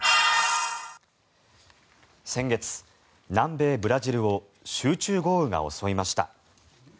先月、南米ブラジルを集中豪雨が襲いました。